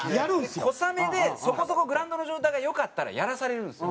小雨でそこそこグラウンドの状態がよかったらやらされるんですよ。